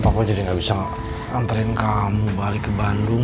pokoknya jadi gak bisa nganterin kamu balik ke bandung